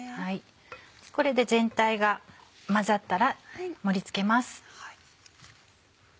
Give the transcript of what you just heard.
これで全体が混ざったら盛り付けます。